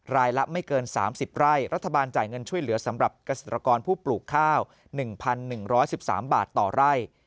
รายละไม่เกิน๓๐ไร่รัฐบาลจ่ายเงินช่วยเหลือสำหรับเกษตรกรผู้ปลูกข้าว๑๑๑๑๓บาทต่อไร่